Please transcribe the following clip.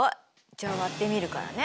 じゃあ割ってみるからね。